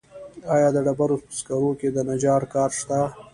آیا د ډبرو په سکرو کې د نجار کار شته